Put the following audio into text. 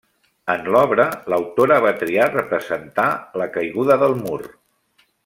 En l'obra, l'autora va triar representar la caiguda del mur.